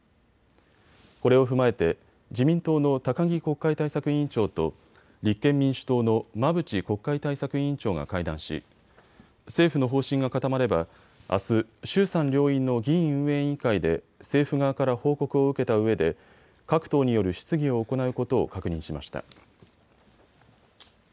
これを踏まえて自民党の高木国会対策委員長と立憲民主党の馬淵国会対策委員長が会談し、政府の方針が固まれば、あす衆参両院の議院運営委員会で政府側から報告を受けたうえで各党による質疑を行うことを確認しました。